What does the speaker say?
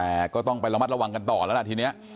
แต่ก็ต้องไประมัดระวังกันต่อแล้วล่ะทีนี้